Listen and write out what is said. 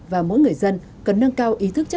và mỗi người dân cần nâng cao ý chí